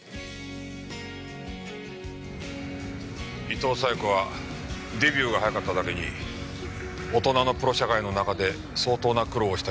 伊東冴子はデビューが早かっただけに大人のプロ社会の中で相当な苦労をしたようだ。